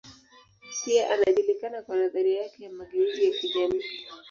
Pia anajulikana kwa nadharia yake ya mageuzi ya kijamii.